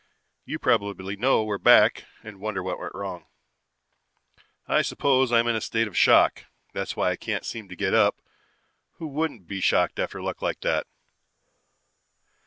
You probably know we're back and wonder what went wrong. "I suppose I'm in a state of shock. That's why I can't seem to get up. Who wouldn't be shocked after luck like that?